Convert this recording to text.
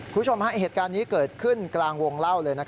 คุณผู้ชมเหตุการณ์นี้เกิดขึ้นกลางวงเล่าเลย